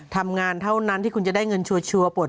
ทำงานเท่านั้นที่คุณจะได้เงินชัวร์ปลด